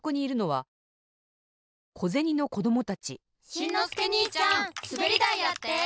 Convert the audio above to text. しんのすけにいちゃんすべりだいやって！